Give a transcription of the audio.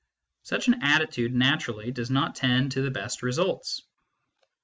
Such an attitude naturally does not tend to the best results.